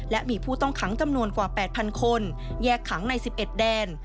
และมีผู้ต้องขังจำนวนกว่า๘๐๐คนแยกขังใน๑๑แดน